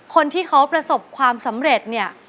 คนที่เขาประสบความสำเร็จเนี่ย